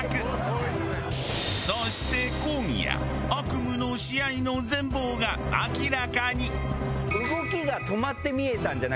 そして今夜悪夢の試合の全貌が明らかに！